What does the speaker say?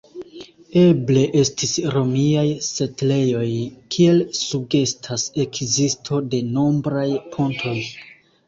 Eble estis romiaj setlejoj, kiel sugestas ekzisto de nombraj pontoj.